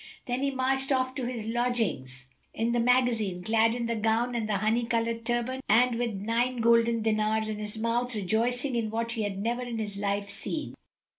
Then he marched off to his lodgings in the magazine, clad in the gown and the honey coloured turband and with the nine golden dinars in his mouth, rejoicing in what he had never in his life seen.